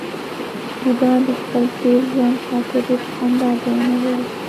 بوډا د خپل تېر ژوند خاطرې په خندا بیانولې.